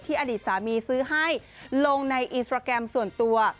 อดีตสามีซื้อให้ลงในอินสตราแกรมส่วนตัว